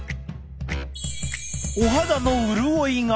お肌の潤いが。